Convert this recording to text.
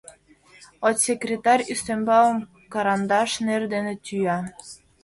Отсекретарь ӱстембалым карандаш нер дене тӱя.